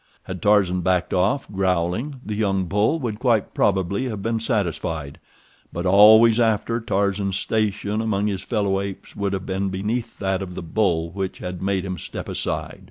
Had Tarzan backed off, growling, the young bull would quite probably have been satisfied, but always after Tarzan's station among his fellow apes would have been beneath that of the bull which had made him step aside.